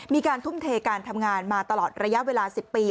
มีการทุ่มเทการทำงานมาตลอดระยะเวลา๑๐ปี